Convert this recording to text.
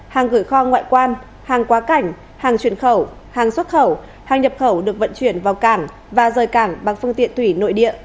hàng gửi kho ngoại quan hàng quá cảnh hàng truyền khẩu hàng xuất khẩu hàng nhập khẩu được vận chuyển vào cảng và rời cảng bằng phương tiện thủy nội địa